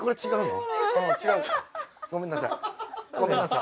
ごめんなさい。